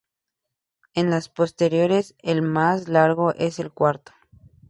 En las posteriores, el más largo es el cuarto.